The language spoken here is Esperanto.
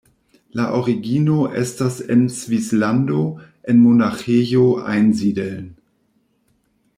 La origino estas en Svislando, en Monaĥejo Einsiedeln.